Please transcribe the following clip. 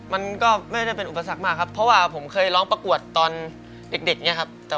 มันก็ไม่ได้เป็นอุปสรรคมากครับเพราะว่าผมเคยร้องประกวดตอนเด็กอย่างนี้ครับ